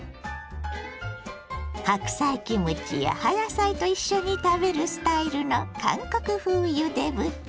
白菜キムチや葉野菜と一緒に食べるスタイルの韓国風ゆで豚。